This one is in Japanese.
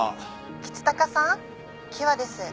☎橘高さん？喜和です